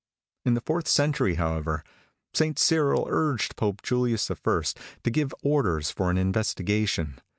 In the fourth century, however, St. Cyril urged Pope Julius I. to give orders for an investigation.